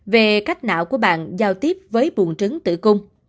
về cách não của bạn giao tiếp với buồn trứng tử cung